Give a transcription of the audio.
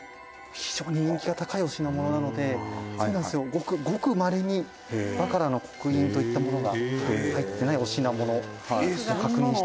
「非常に人気が高いお品物なのでそうなんですよ、ごくまれにバカラの刻印といったものが入ってないお品物」